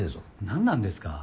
何なんですか？